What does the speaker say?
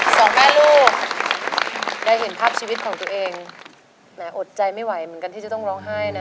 สองแม่ลูกได้เห็นภาพชีวิตของตัวเองแหมอดใจไม่ไหวเหมือนกันที่จะต้องร้องไห้นะ